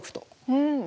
うん。